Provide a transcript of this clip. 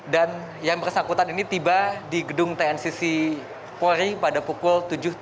dan yang bersangkutan ini tiba di gedung tncc poari pada pukul tujuh tiga puluh